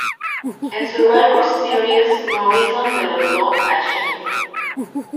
En "Survivor Series" Morrison derrotó a Sheamus.